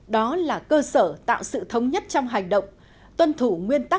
đó là cơ sở tạo sự thống nhất trong hành động